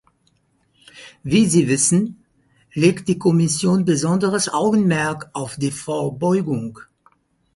Wie Sie wissen, legt die Kommission besonderes Augenmerk auf die Vorbeugung.